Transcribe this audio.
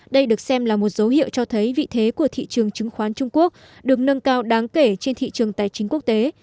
đây được xem là một dấu hiệu cho thấy vị thế của thị trường chứng khoán trung quốc được nâng cao đáng kể trên thị trường tài chính quốc tế